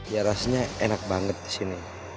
ya rasanya enak banget di sini